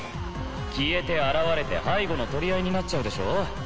消えて現れて背後の取り合いになっちゃうでしょ